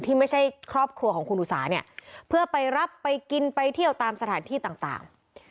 ไม่ใช่ครอบครัวของคุณอุสาเนี่ยเพื่อไปรับไปกินไปเที่ยวตามสถานที่ต่าง